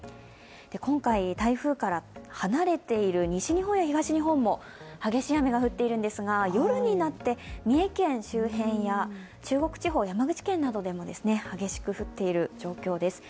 今回、台風から離れている西日本や東日本も激しい雨が降っているんですが夜になって三重県周辺や中国地方、山口県などでも激しく降っている状況です。